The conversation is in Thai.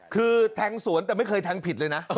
คือแทงสวนแต่ไม่เคยแทงผิดเลยนะ